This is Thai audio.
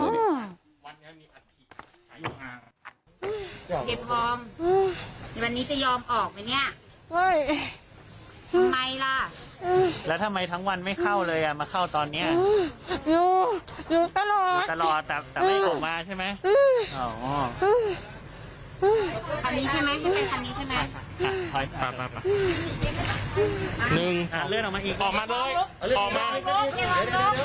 ผีไยพร้อมวันนี้จะยอมออกไหมนี่